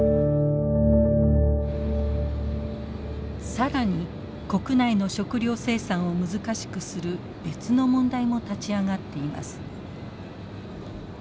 更に国内の食料生産を難しくする別の問題も立ち上がっています。